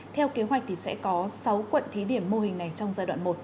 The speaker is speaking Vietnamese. theo kế hoạch thì sẽ có sáu quận thí điểm mô hình này trong giai đoạn một